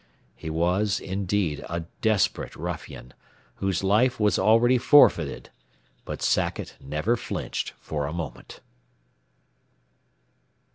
He was, indeed, a desperate ruffian, whose life was already forfeited, but Sackett never flinched for a moment.